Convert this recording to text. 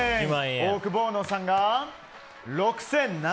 オオクボーノさんが６７００円。